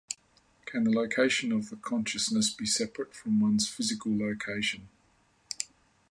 Can the location of the consciousness be separate from one's physical location.